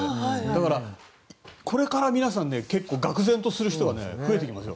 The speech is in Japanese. だから、これから皆さん結構、がくぜんとする人が増えてきますよ。